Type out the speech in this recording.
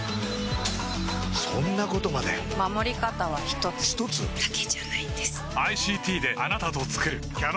そんなことまで守り方は一つ一つ？だけじゃないんです